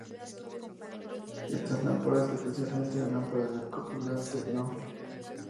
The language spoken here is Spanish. Estas lámparas, especialmente la lámpara de arco colgante No.